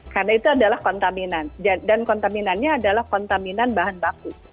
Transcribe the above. karena itu adalah kontaminan dan kontaminannya adalah kontaminan bahan baku